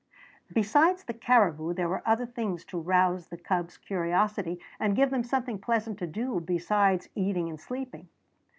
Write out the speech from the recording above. Besides the caribou there were other things to rouse the cubs' curiosity and give them something pleasant to do besides eating and sleeping.